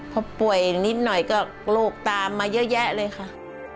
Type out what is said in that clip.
พอป่วยนิดหน่อยก็โรคตามมาเยอะแยะเลยค่ะ